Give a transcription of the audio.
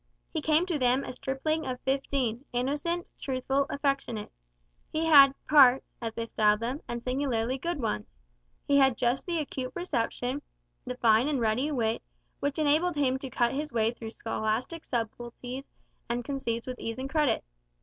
He came to them a stripling of fifteen, innocent, truthful, affectionate. He had "parts," as they styled them, and singularly good ones. He had just the acute perception, the fine and ready wit, which enabled him to cut his way through scholastic subtleties and conceits with ease and credit.